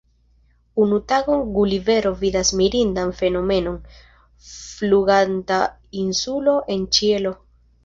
Unu tagon Gulivero vidas mirindan fenomenon: fluganta insulo en ĉielo.